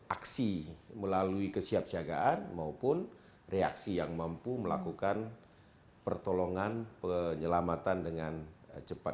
aksi melalui kesiapsiagaan maupun reaksi yang mampu melakukan pertolongan penyelamatan dengan cepat